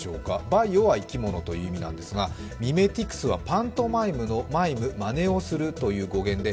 バイオは生き物という意味なんですがミメティクスはパントマイムの「マイム」、まねをするという語源で、